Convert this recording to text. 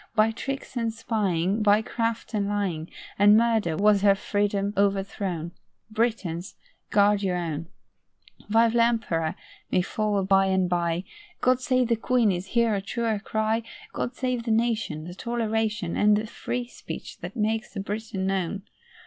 By tricks and spying, By craft and lying, And murder was her freedom overthrown. Britons, guard your own. 'Vive l'Empereur' may follow by and bye; 'God save the Queen' is here a truer cry. God save the Nation, The toleration, And the free speech that makes a Briton known.